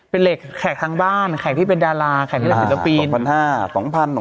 เป็นเหล็กแขกทางบ้านแขกที่เป็นดาราแขกที่รักศิลปิน